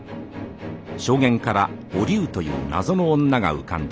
証言からおりうという謎の女が浮かんだ